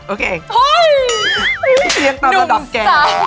โอเค